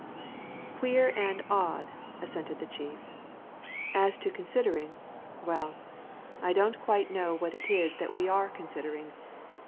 "Queer and odd!" assented the chief. "As to considering well, I don't quite know what it is that we are considering.